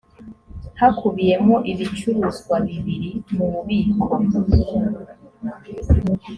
hakubiyemo ibicuruzwa biri mu bubiko